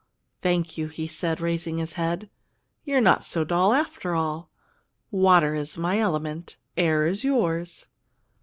"Thank you," he said, raising his head. "You're not so dull after all. Water is my element; air is yours."